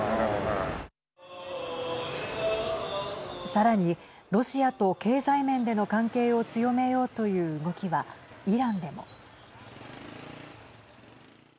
さらに、ロシアと経済面での関係を強めようという動きはイランでも。